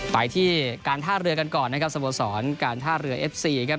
ไปที่การท่าเรือกันก่อนนะครับสโมสรการท่าเรือเอฟซีครับ